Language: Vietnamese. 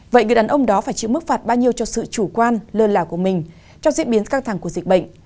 vậy người đàn ông đó phải chịu mức phạt bao nhiêu cho sự chủ quan lơ lảo của mình trong diễn biến căng thẳng của dịch bệnh